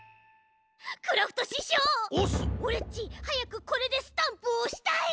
オレっちはやくこれでスタンプをおしたい！